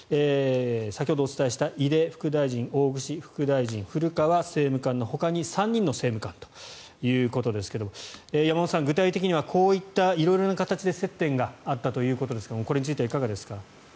先ほどお伝えした井出副大臣、大串副大臣古川政務官のほかに３人の政務官ということですが山本さん、具体的にはこういった色々な形で接点があったということですがこれについてはいかがですか？